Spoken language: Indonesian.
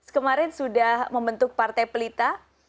kemarin sudah membentuk partai pelita